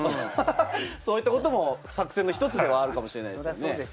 そういったことも作戦の１つでもあるかもしれないですね。